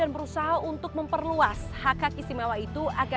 infrastruktur yang akan dibawa